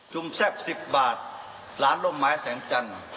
แซ่บ๑๐บาทร้านร่มไม้แสงจันทร์